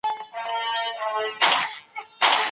د ټولنې انډول د فرد په پورته کچو کې عملی تحلیل دی.